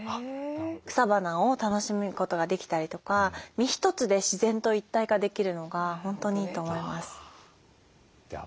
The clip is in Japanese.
草花を楽しむことができたりとか身一つで自然と一体化できるのが本当にいいと思います。